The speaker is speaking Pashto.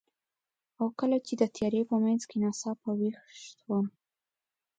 او کله چې د تیارې په منځ کې ناڅاپه ویښ شوم،